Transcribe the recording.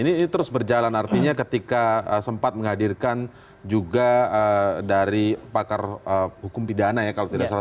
ini terus berjalan artinya ketika sempat menghadirkan juga dari pakar hukum pidana ya kalau tidak salah